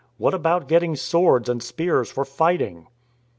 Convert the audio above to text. What about getting swords and spears for fighting?